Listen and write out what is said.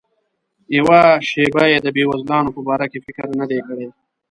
یوه شیبه یې د بېوزلانو په باره کې فکر نه دی کړی.